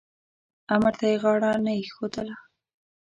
امر ته یې غاړه نه ایښودله.